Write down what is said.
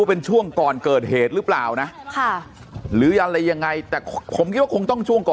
เป็นช่วงก่อนเกิดเหตุหรือเปล่านะหรืออะไรยังไงแต่ผมคิดว่าคงต้องช่วงก่อน